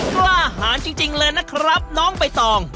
กล้าหารจริงเลยนะครับน้องใบตอง